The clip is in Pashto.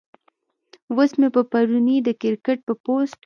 اوس مې پۀ پروني د کرکټ پۀ پوسټ